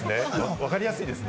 わかりやすいですね。